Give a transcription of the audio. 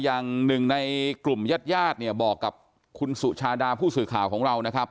อย่างหนึ่งในกลุ่มญาติญาติเนี่ยบอกกับคุณสุชาดาผู้สื่อข่าวของเรานะครับ